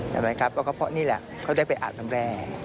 เพราะนี่แหละเขาได้ไปอาบสำแรก